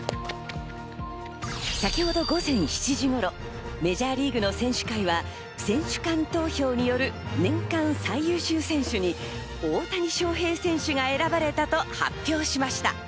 先ほど午前７時頃、メジャーリーグの選手会は選手間投票による年間最優秀選手に大谷翔平選手が選ばれたと発表しました。